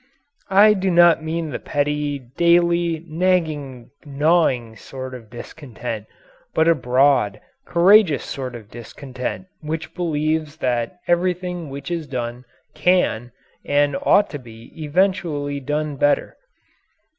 I do not mean the petty, daily, nagging, gnawing sort of discontent, but a broad, courageous sort of discontent which believes that everything which is done can and ought to be eventually done better.